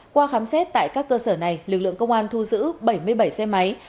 qua khám xét tại các cơ sở này lực lượng công an thu giữ bảy mươi bảy xe máy